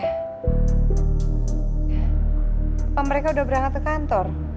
apa mereka udah berangkat ke kantor